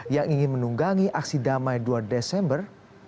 yang ingin menunggangi aksi damai dua desember